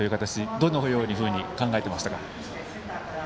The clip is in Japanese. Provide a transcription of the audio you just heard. どのように考えていましたか？